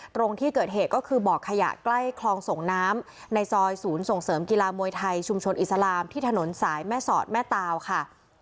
ตรงที่เกิดเหตุก็คือบ่อขยะใกล้คลองส่งน้ำในซอยศูนย์ส่งเสริมกีฬามวยไทยชุมชนอิสลามที่ถนนสายแม่สอดแม่ตาวค่ะ